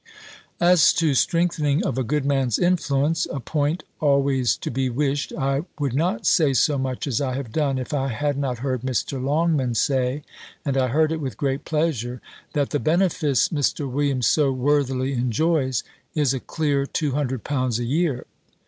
"As to strengthening of a good man's influence, a point always to be wished, I would not say so much as I have done, if I had not heard Mr. Longman say, and I heard it with great pleasure, that the benefice Mr. Williams so worthily enjoys is a clear two hundred pounds a year.